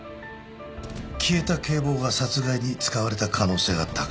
消えた警棒が殺害に使われた可能性が高いとみています。